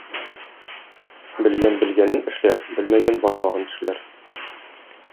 Белгән белгәнен эшләр, белмәгән бармагын тешләр.